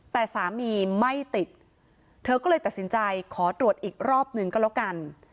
แต่สามีไม่ติดเธอก็เลยตัดสินใจขอตรวจอีกรอบหนึ่งก็แล้วกัน